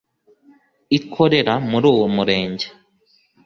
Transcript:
ikorera muri uwo Murenge